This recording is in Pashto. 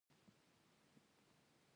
په اوړي کې د کابل هوا څنګه وي؟